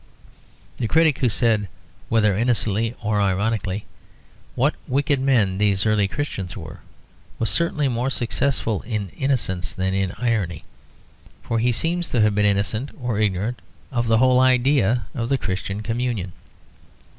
The critic who said, whether innocently or ironically, "What wicked men these early Christians were!" was certainly more successful in innocence than in irony; for he seems to have been innocent or ignorant of the whole idea of the Christian communion.